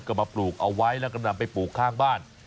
ก็มาปลูกเอาไว้แล้วก็นำไปปลูกข้างบ้าน